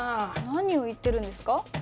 何を言ってるんですか？